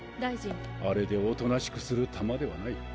あれでおとなしくするタマではない。